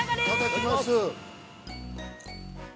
◆いただきます。